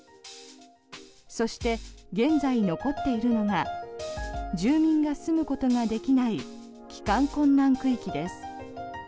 そして、現在残っているのが住民が住むことができない帰還困難区域です。